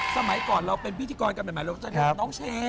สมัยก่อนเราเป็นพิธีกรกันใหม่เราจะเรียกน้องเชน